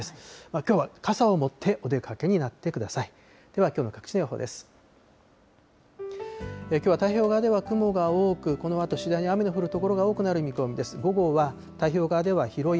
きょうは傘を持ってお出かけになってください。